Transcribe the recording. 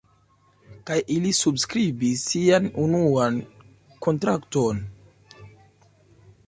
Kaj ili subskribis sian unuan kontrakton.